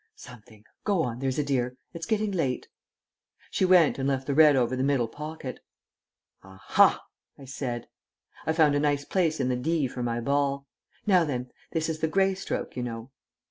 "Something. Go on, there's a dear. It's getting late." She went, and left the red over the middle pocket. "A ha!" I said. I found a nice place in the "D" for my ball. "Now then. This is the Gray stroke, you know."